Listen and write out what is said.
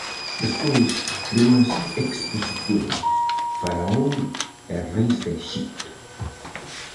Despois, dúas exposicións: Faraón e Reis de Exipto.